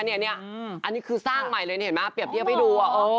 อันนี้คือสร้างใหม่เลยนี่เห็นไหมเปรียบเทียบให้ดู